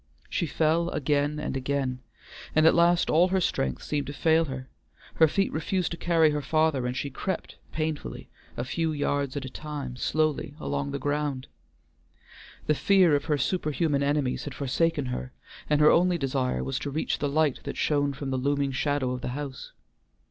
She fell again and again, and at last all her strength seemed to fail her, her feet refused to carry her farther and she crept painfully, a few yards at a time, slowly along the ground. The fear of her superhuman enemies had forsaken her, and her only desire was to reach the light that shone from the looming shadow of the house.